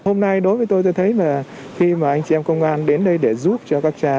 hôm nay đối với tôi tôi thấy là khi mà anh chị em công an đến đây để giúp cho các cha